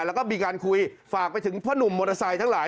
แล้วก็มีการคุยฝากไปถึงพ่อหนุ่มมอเตอร์ไซค์ทั้งหลาย